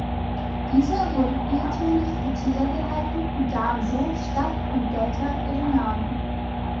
Diese wurden irrtümlich für Tiger gehalten und gaben so Stadt und Delta ihren Namen.